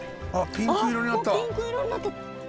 ピンク色になった。